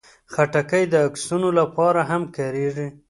خټکی د عکسونو لپاره هم کارېږي.